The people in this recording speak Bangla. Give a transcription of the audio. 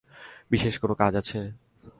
বিশেষ কোনো কাজ আছে?